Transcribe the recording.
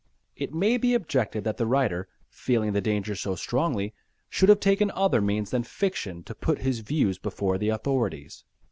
It may be objected that the writer, feeling the danger so strongly, should have taken other means than fiction to put his views before the authorities.